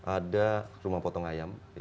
ada rumah potong ayam